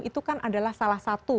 itu kan adalah salah satu